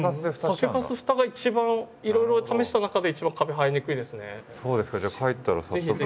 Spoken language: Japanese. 酒かすフタが一番いろいろ試した中では一番カビ生えにくいですね。